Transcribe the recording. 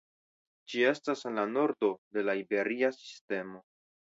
Ĝi estas en la nordo de la Iberia Sistemo.